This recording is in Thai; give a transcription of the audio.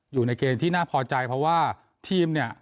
อยู่ในเกณฑ์ที่น่าพอใจเพราะว่าทีมเนี่ย